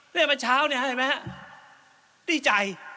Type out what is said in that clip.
เรียกมาเช้าเนี่ยเหมือนไง